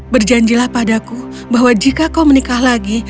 berjanjilah padaku bahwa jika kau menikah lagi